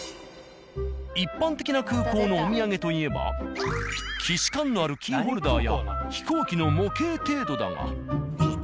一般的な空港のお土産といえば既視感のあるキーホルダーや飛行機の模型程度だが。